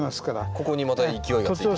ここにまた勢いがついてしまう。